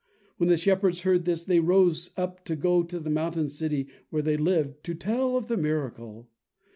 When the shepherds heard this, they rose up to go to the mountain city, where they lived, to tell of the miracle.